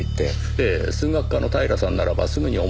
ええ数学科の平さんならばすぐに思いついたでしょうし